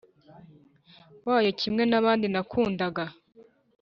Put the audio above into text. wayo kimwe nabandi nakundaga